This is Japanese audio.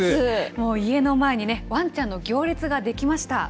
もう家の前にね、ワンちゃんの行列が出来ました。